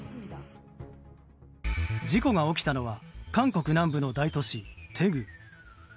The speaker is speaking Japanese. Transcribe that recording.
事故が起きたのは韓国南部の大都市テグ。